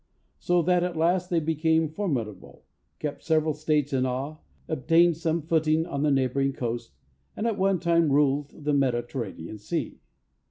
So that at last they became formidable, kept several States in awe, obtained some footing on the neighbouring coast, and at one time ruled the Mediterranean Sea.